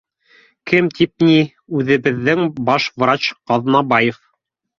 — Кем тип ни, үҙебеҙҙең баш врач Ҡаҙнабаев